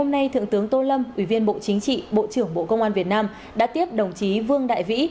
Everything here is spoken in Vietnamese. chính trị bộ trưởng bộ công an việt nam đã tiếp đồng chí vương đại vĩ